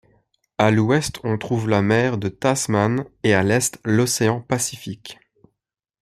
À l'ouest on trouve la mer de Tasman et à l'est l'océan Pacifique.